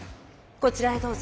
こちらへどうぞ。